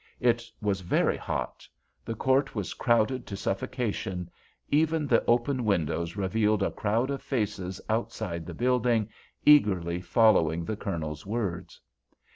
It was very hot; the court was crowded to suffocation; even the open windows revealed a crowd of faces outside the building, eagerly following the Colonel's words.